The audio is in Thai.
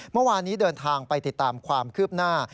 เมื่อวานนี้เดินทางไปติดตามความคืบหน้า